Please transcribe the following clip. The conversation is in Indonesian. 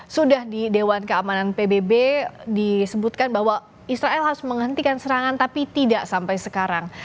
sudah di dewan keamanan pbb disebutkan bahwa israel harus menghentikan serangan tapi tidak sampai sekarang